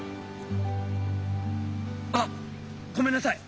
あごめんなさい！